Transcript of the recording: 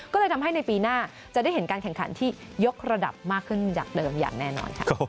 ก็เลยทำให้ในปีหน้าจะได้เห็นการแข่งขันที่ยกระดับมากขึ้นจากเดิมอย่างแน่นอนค่ะ